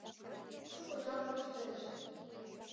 Шуко жап коштедышт.